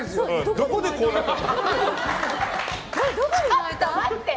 どこでこうなったの？